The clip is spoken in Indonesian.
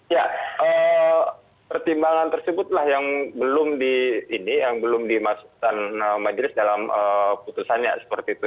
ya pertimbangan tersebutlah yang belum dimasukkan majelis dalam putusannya seperti itu